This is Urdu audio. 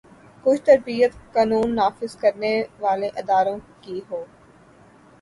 کچھ تربیت قانون نافذ کرنے والے اداروں کی ہو۔